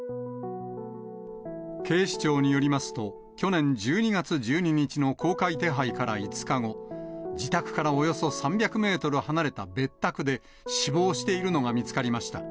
警視庁によりますと、去年１２月１２日の公開手配から５日後、自宅からおよそ３００メートル離れた別宅で、死亡しているのが見つかりました。